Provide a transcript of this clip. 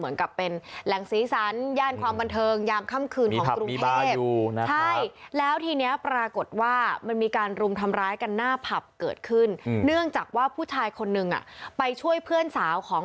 นักท่องเฉลต่างชาติก็ชอบไปกันเพราะว่ามันเหมือนกับเป็น